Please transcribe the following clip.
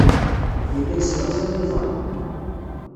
Yella yeslaẓay iḍan.